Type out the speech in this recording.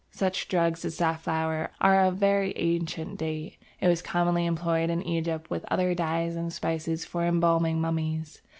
Such drugs as Safflower are of very ancient date. It was commonly employed in Egypt with other dyes and spices for embalming mummies.